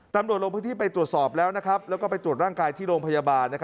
ลงพื้นที่ไปตรวจสอบแล้วแล้วก็ไปตรวจร่างกายที่โรงพยาบาล